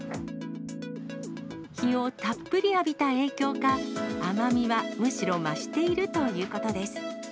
日をたっぷり浴びた影響か、甘みはむしろ増しているということです。